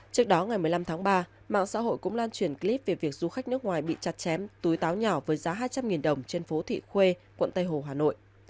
trước đó ngày một mươi năm tháng ba mạng xã hội cũng lan truyền clip về việc du khách nước ngoài bị chặt chém túi táo nhỏ với giá hai trăm linh đồng trên phố thị khuê quận tây hồ hà nội